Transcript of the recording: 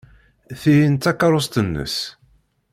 Tihin d takeṛṛust-nnes.